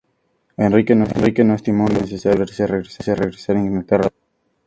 Enrique no estimó necesario apresurarse a regresar a Inglaterra de inmediato.